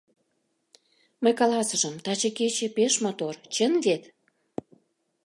— Мый каласышым: «Таче кече пеш мотор, чын вет?»